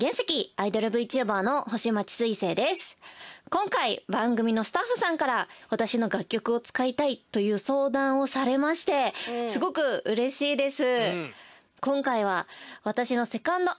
今回番組のスタッフさんから私の楽曲を使いたいという相談をされましてすごくうれしいです。